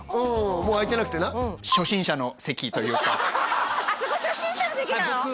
もう空いてなくてな初心者の席というかそこ初心者の席なの！？